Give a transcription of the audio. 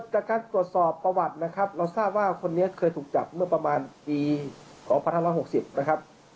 จากการตรวจสอบประวัติเราทราบว่าคนเนี่ยเคยถูกจับเมื่อประมาณปีของฮ๖๐